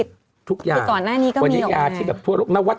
ทุกอย่างทุกอย่างสก่อนหน้านี้ก็มีออกมาไหมวันนี้อ่ะที่กับพวกนักวจ